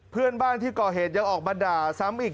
เพื่อนบ้านที่ก่อเหตุยังออกมาด่าซ้ำอีก